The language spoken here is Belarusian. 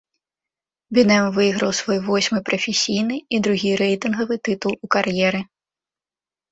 Бінэм выйграў свой восьмы прафесійны і другі рэйтынгавы тытул у кар'еры.